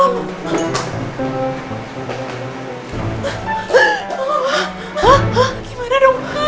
hah gimana dong